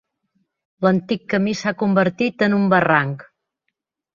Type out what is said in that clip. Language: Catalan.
L'antic camí s'ha convertit en un barranc.